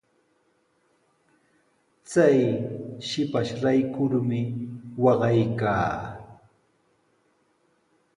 Chay shipashraykumi waqaykaa.